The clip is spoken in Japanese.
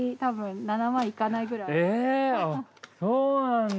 えっそうなんだ。